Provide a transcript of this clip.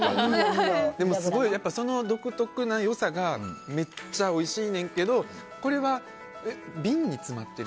でもすごい独特な良さがめっちゃおいしいねんけどこれは瓶に詰まってる？